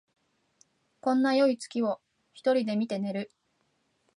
こんなよい月を一人で見て寝る